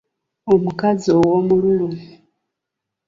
Omukazi ow'omululu.